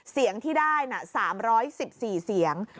เสียงที่ได้๓๑๔เสียง